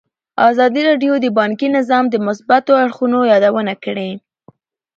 ازادي راډیو د بانکي نظام د مثبتو اړخونو یادونه کړې.